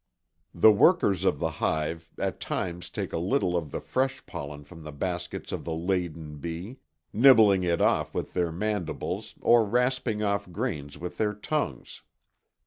The workers of the hive at times take a little of the fresh pollen from the baskets of the laden bee, nibbling it off with their mandibles or rasping off grains with their tongues.